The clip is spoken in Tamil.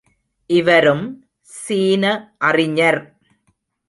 இவரும் சீன அறிஞர்.